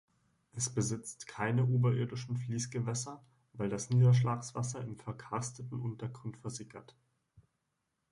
Es besitzt keine oberirdischen Fließgewässer, weil das Niederschlagswasser im verkarsteten Untergrund versickert.